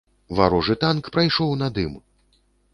Варожы танк прайшоў над ім.